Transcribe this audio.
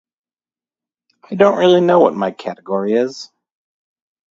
I don't really know what my category is.